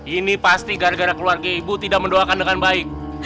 ini pasti gara gara keluarga ibu tidak mendoakan dengan baik